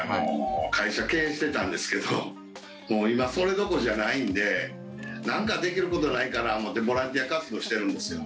会社を経営していたんですけど今、それどころじゃないんでなんかできることないかな思ってボランティア活動してるんです。